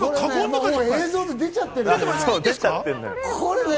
映像で出ちゃってるからね。